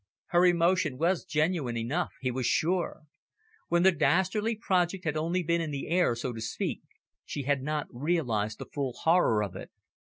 Her emotion was genuine enough, he was sure. When the dastardly project had only been in the air, so to speak, she had not realised the full horror of it.